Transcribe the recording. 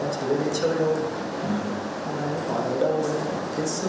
thế lựa chọn cấm điện thoại ra